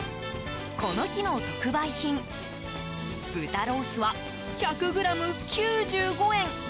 この日の特売品、豚ロースは１００ｇ９５円。